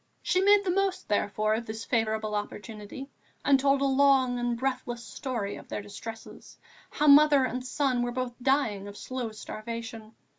She made the most, therefore, of this favourable opportunity and told a long and breathless story of their distresses, how mother and son were both dying of slow starvation.